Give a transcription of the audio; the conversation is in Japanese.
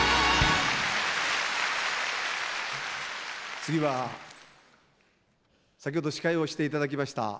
次は先ほど司会をしていただきました